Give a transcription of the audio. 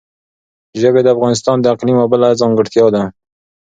ژبې د افغانستان د اقلیم یوه بله ځانګړتیا ده.